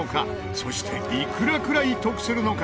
そして、いくらくらい得するのか？